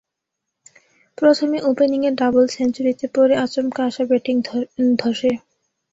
প্রথমে ওপেনিংয়ে ডাবল সেঞ্চুরিতে, পরে আচমকা আসা ব্যাটিং ধসে।